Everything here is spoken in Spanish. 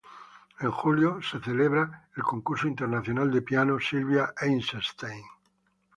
En julio se celebra el Concurso Internacional de Piano Silvia Eisenstein.